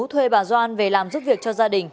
thuê bà doan về làm giúp việc cho gia đình